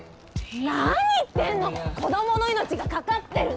何言ってんの子供の命が懸かってるの。